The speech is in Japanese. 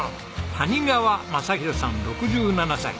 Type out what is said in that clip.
谷川雅啓さん６７歳。